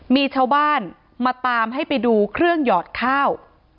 มีชาวบ้านมาตามให้ไปดูเครื่องหยอดข้าว